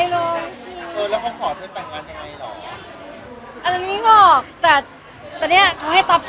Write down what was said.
อ๋อต้องคุกอย่างเดียวใช่ไหม